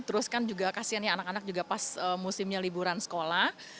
terus kan juga kasian ya anak anak juga pas musimnya liburan sekolah